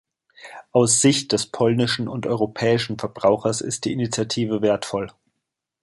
Aus Sicht des polnischen und europäischen Verbrauchers ist die Initiative wertvoll.